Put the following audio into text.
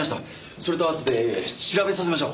それと併せて調べさせましょう。